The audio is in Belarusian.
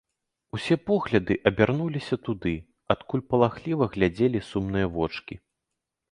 Усе погляды абярнуліся туды, адкуль палахліва глядзелі сумныя вочкі.